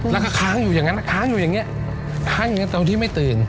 แล้วก็ค้างอยู่อย่างนั้นค้างอยู่อย่างนี้ค้างอย่างนั้นตรงที่ไม่ตื่น